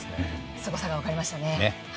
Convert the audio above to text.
すごさが分かりましたね。